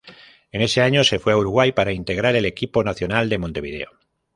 En ese año se fue a Uruguay para integrar el equipo Nacional de Montevideo.